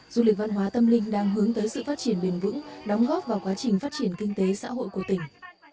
du lịch văn hóa tâm linh đang hướng tới sự phát triển bền vững đóng góp vào quá trình phát triển kinh tế xã hội của tỉnh